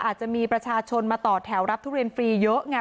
อาจจะมีประชาชนมาต่อแถวรับทุเรียนฟรีเยอะไง